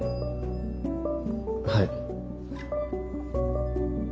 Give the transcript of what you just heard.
はい。